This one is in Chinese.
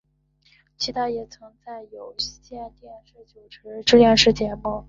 其后他也曾在有线电视主持电视节目。